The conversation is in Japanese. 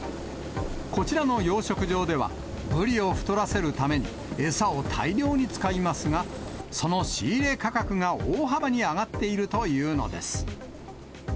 こちらの養殖場では、ブリを太らせるために餌を大量に使いますが、その仕入れ価格が大幅に上がっているというのです。